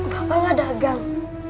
bapak gak dagang